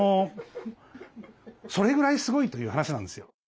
それぐらいすごいという話なんですよ。